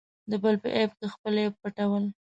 د بل په عیب کې خپل عیب پټول.